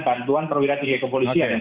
bantuan perwira tinggi kepolisian yang